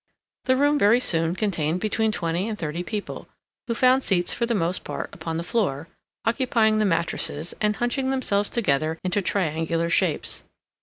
The room very soon contained between twenty and thirty people, who found seats for the most part upon the floor, occupying the mattresses, and hunching themselves together into triangular shapes.